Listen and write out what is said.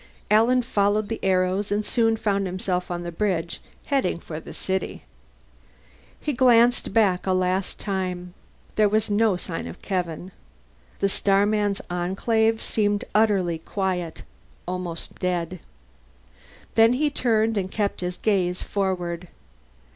Alan followed the arrows and soon found himself on the bridge, heading for the city. He glanced back a last time. There was no sign of Kevin. The Starmen's Enclave seemed utterly quiet, almost dead. Then he turned and kept his gaze forward.